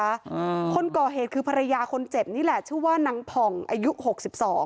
อ่าคนก่อเหตุคือภรรยาคนเจ็บนี่แหละชื่อว่านางผ่องอายุหกสิบสอง